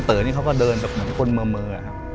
ก็เต๋อเนี่ยเขาก็เดินแบบเหมือนคนเมออะครับ